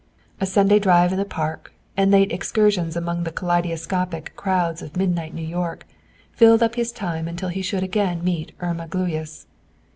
A Sunday drive in the Park, and late excursions among the kaleidoscopic crowds of midnight New York filled up his time until he should again meet Irma Gluyas.